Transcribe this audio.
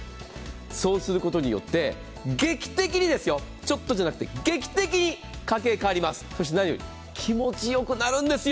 そうすることによって、劇的にですよ、ちょっとじゃなくて、劇的に家計変わります、そして何より気持ちよくなるんですよ。